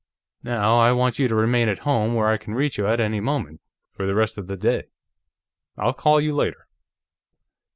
Now, I want you to remain at home, where I can reach you at any moment, for the rest of the day. I'll call you later."